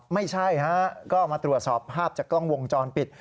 ไม่ใช่ฮะก็มาตรวจสอบภาพจากกล้องวงจรปิด